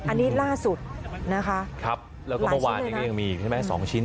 อันนี้ล่าสุดนะคะแล้วก็เมื่อวานยังมีอีกใช่ไหม๒ชิ้น